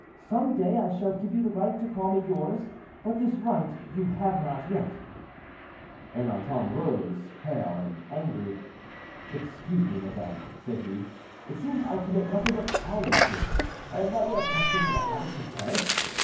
Some day I shall give you the right to call me yours; but this right you have not yet." Ernanton rose, pale and angry. "Excuse me, madame," said he, "it seems I commit nothing but follies here; I am not yet accustomed to the habits of Paris.